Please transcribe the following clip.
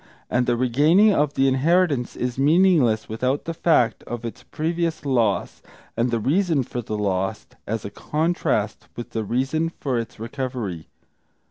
And the regaining of the inheritance is meaningless without the fact of its previous loss, and the reason for the loss, as a contrast with the reason for its recovery.